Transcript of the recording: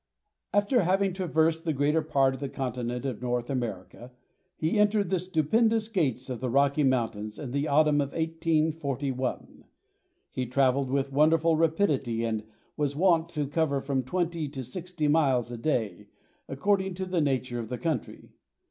After having traversed the greater part of the continent of North America, he entered the stupendous gates of the Rocky Mountains in the autumn of 1841. He travelled with wonderful rapidity, and was wont to cover from twenty to sixty miles a day, according to the nature of the country.